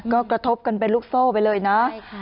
ก็กระทบกันเป็นลูกโซ่ไปเลยนะ